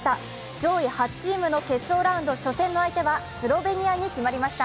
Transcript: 上位８チームの決勝ラウンド初戦の相手はスロベニアに決まりました。